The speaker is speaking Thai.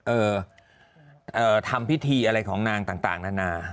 ทำพิธีอะไรของนางต่างนานา